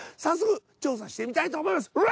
早速調査してみたいと思います。